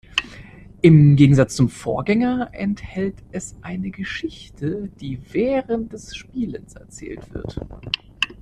Im Gegensatz zum Vorgänger enthält es eine Geschichte, die während des Spielens erzählt wird.